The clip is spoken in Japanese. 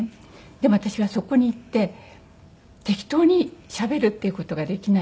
でも私はそこに行って適当にしゃべるっていう事ができないから。